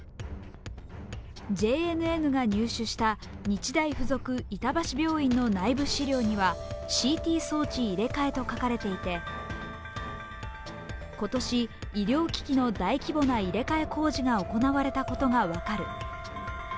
ＪＮＮが入手した、日大附属板橋病院の内部資料にはＣＴ装置入れ替えと書かれていて、今年、医療機器の大規模な入れ替え工事が行われたことが分かる。